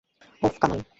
Oh, come on!